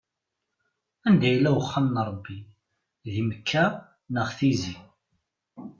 Anida yella uxxam n Ṛebbi, di Mekka neɣ Tizi?